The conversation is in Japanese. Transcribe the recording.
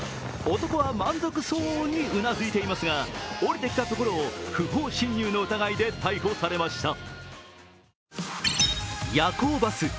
男は満足そうにうなずいていますが下りてきたところを不法侵入の疑いで逮捕されました。